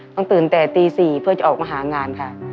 ต้องตื่นแต่ตี๔เพื่อจะออกมาหางานค่ะ